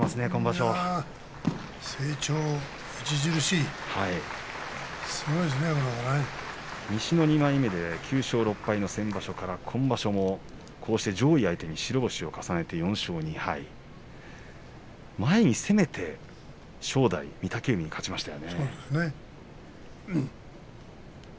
成長著しい西の２枚目で９勝６敗の先場所から今場所もこうして上位相手に白星を重ねて４勝２敗前に攻めて正代、御嶽海に勝ちました。